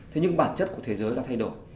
thế nhưng bản chất của thế giới đã thay đổi